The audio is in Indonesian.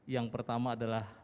yang pertama adalah